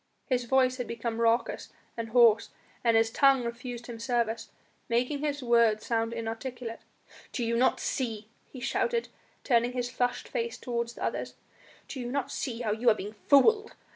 His voice had become raucous and hoarse and his tongue refused him service, making his words sound inarticulate. "Do ye not see," he shouted, turning his flushed face toward the others, "do you not see how you are being fooled?